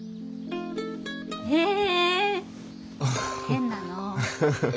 へえ変なの。え？